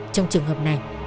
trong trường hợp này